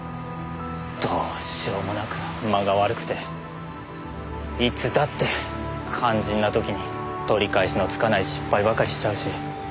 どうしようもなく間が悪くていつだって肝心な時に取り返しのつかない失敗ばかりしちゃうし。